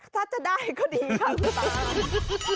ถ้าจะได้ก็ดีคำตำ